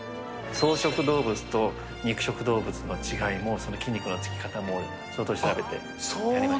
草食動物と肉食動物の違いも、その筋肉のつき方も相当調べてやりました。